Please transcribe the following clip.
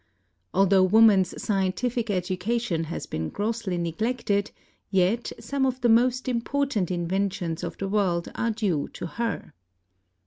Although woman's scientific education has been grossly neglected, yet some of the most important inventions of the world are due to her.